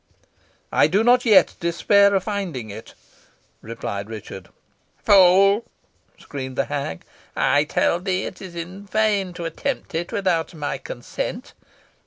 "I do not yet despair of finding it," replied Richard. "Fool!" screamed the hag. "I tell thee it is in vain to attempt it without my consent.